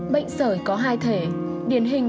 bệnh sở có hai thể điển hình